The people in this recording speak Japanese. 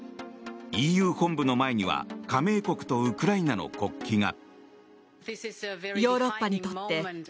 ＥＵ本部の前には加盟国とウクライナの国旗が。